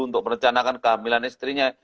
untuk merencanakan kehamilan istrinya